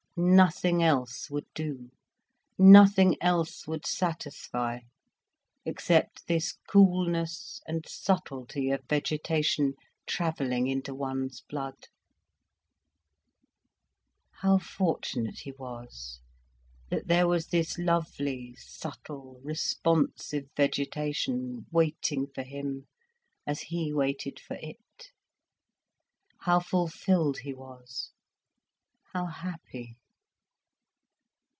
Nothing else would do, nothing else would satisfy, except this coolness and subtlety of vegetation travelling into one's blood. How fortunate he was, that there was this lovely, subtle, responsive vegetation, waiting for him, as he waited for it; how fulfilled he was, how happy!